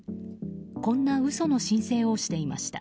こんな嘘の申請をしていました。